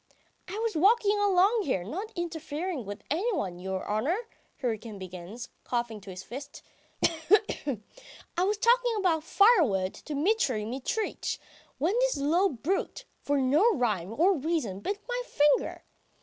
"I was walking along here, not interfering with anyone, your honour," Hryukin begins, coughing into his fist. "I was talking about firewood to Mitry Mitritch, when this low brute for no rhyme or reason bit my finger.